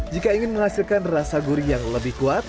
jika ingin menghasilkan rasa gurih yang lebih kuat